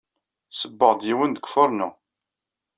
Ssewweɣ-d yiwen deg ufarnu.